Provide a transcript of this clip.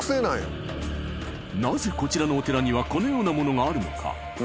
なぜこちらのお寺にはこのようなものがあるのか？